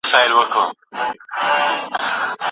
ښه ذهنیت باور نه دروي.